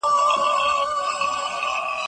زه اوس سپينکۍ پرېولم،